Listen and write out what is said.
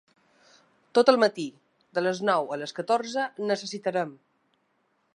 Tot el matí, de les nou a les catorze necessitarem.